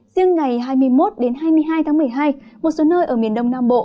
riêng ngày hai mươi một hai mươi hai tháng một mươi hai một số nơi ở miền đông nam bộ